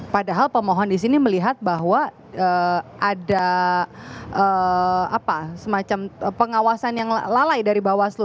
jadi kalau pemohon disini melihat bahwa ada apa semacam pengawasan yang lalai dari bawaslu